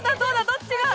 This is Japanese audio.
どっちが？